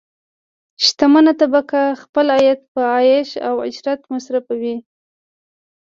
شتمنه طبقه خپل عاید په عیش او عشرت مصرفوي.